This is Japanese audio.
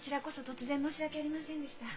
突然申し訳ありませんでした。